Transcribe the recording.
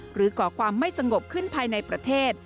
ก่อความไม่สงบขึ้นภายในประเทศ